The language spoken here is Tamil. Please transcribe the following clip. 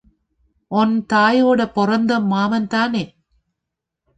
ஒன் தாயோட பொறந்த மாமன்தானே?